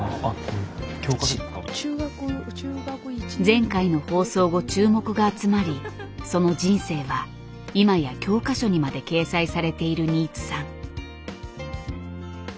前回の放送後注目が集まりその人生は今や教科書にまで掲載されている新津さん。